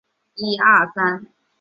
死后谥号恭公。